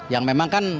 yang memang kan